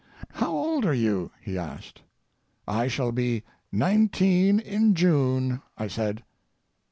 "How old are you?" he asked. "I shall be nineteen in June," I said.